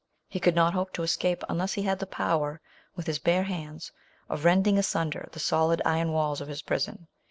He could not hope to escape, un less he had the power, with his bare hands, of rending asunder the solid iron walls of his prison.